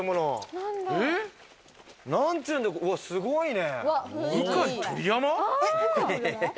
何ちゅうすごいね。